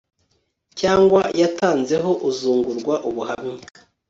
cyangwa yatanzeho uzungurwa ubuhamya